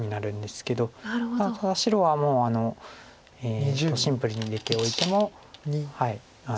ただ白はもうシンプルに出ておいても。